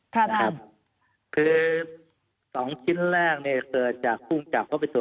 ค่ะมารูมี้คือ๒ชิ้นแรกเกิดจากคุงจับ